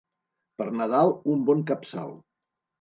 Per Nadal, un bon capçal.